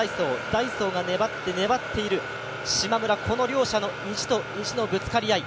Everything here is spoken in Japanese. ダイソーが粘って粘っているしまむら、この両者の意地と意地のぶつかり合い。